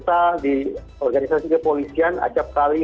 padahal kan kita tahu kepolisian anggota kepolisian merupakan penegak aparat hukum